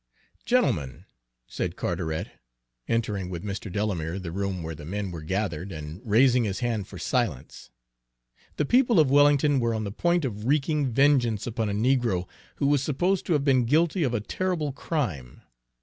"Gentlemen," said Carteret, entering with Mr. Delamere the room where the men were gathered, and raising his hand for silence, "the people of Wellington were on the point of wreaking vengeance upon a negro who was supposed to have been guilty of a terrible crime.